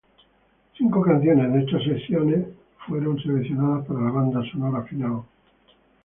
Cinco canciones de estas sesiones fueron seleccionadas para la banda sonora final.